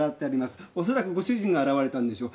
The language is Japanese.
おそらくご主人が洗われたんでしょう。